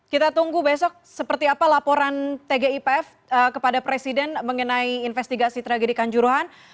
kita tunggu besok seperti apa laporan tgipf kepada presiden mengenai investigasi tragedi kanjuruhan